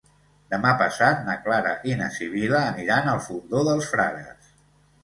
Demà passat na Clara i na Sibil·la aniran al Fondó dels Frares.